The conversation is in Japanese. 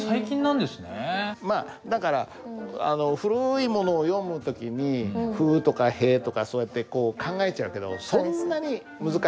まあだから古いものを読む時に「ふ」とか「へ」とかそうやってこう考えちゃうけどそうですか。